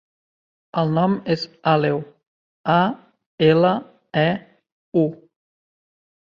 El nom és Aleu: a, ela, e, u.